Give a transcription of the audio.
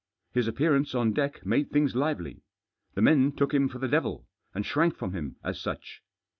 His appearance on deck made things lively. The men took him for the devil, and shrank from him as such.